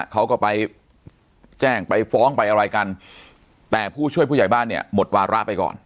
เขาก็ไปแจ้งไปฟ้องไปอะไรกันแต่ผู้ช่วยผู้ใหญ่บ้านเนี่ยหมดวาระไปก่อน